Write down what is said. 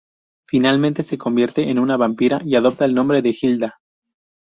Finalmente se convierte en una vampira y adopta el nombre de Gilda.